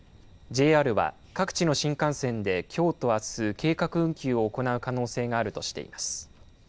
ＪＲは各地の新幹線できょうとあす計画運休を行う可能性があるとしています。